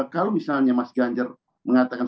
kalau misalnya mas ganjar mengatakan